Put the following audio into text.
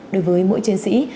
đối với mỗi chiến sĩ